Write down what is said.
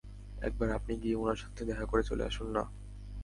একবার আপনি গিয়ে ওনার সাথে দেখা করে চলে আসুন না?